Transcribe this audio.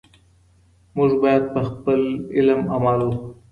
موږ باید په خپل علم عمل وکړو.